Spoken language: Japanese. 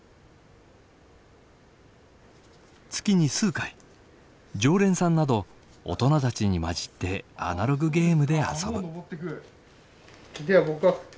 月に数回常連さんなど大人たちに交じってアナログゲームで遊ぶ。